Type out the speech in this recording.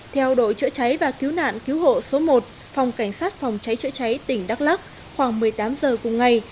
theo đội chữa cháy và cứu nạn cứu hộ số một phòng cảnh sát phòng cháy chữa cháy tỉnh đắk lắc khoảng một mươi tám giờ cùng ngày